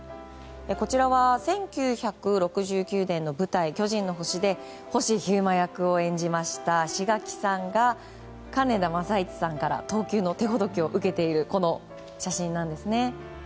こちらは１９６９年の舞台「巨人の星」で星飛雄馬役を演じました志垣さんが金田正一さんから投球の手ほどきを受けているお写真ですね。